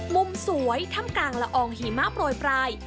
มุมสวยถ้ำกลางละอองหิมะโปรยปลาย